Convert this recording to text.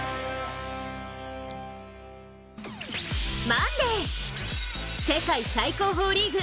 マンデー、世界最高峰リーグ